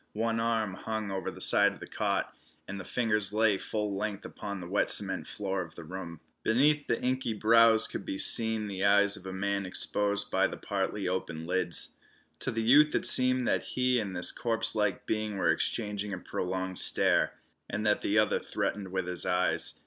One arm hung over the side of the cot, and the fingers lay full length upon the wet cement floor of the room. Beneath the inky brows could be seen the eyes of the man exposed by the partly opened lids. To the youth it seemed that he and this corpse like being were exchanging a prolonged stare, and that the other threatened with his eyes.